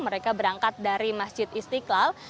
mereka berangkat dari masjid istiqlal